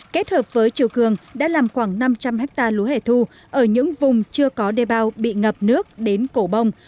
kết hợp với triều cường đã làm khoảng năm trăm linh ha lúa hẻ thu ở những vùng chưa có đe bao bị ngập nước đến cổ bông